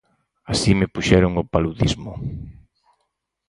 Así me puxeron o paludismo.